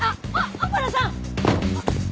小原さん！